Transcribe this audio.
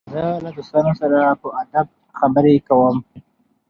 زه له دوستانو سره په ادب خبري کوم.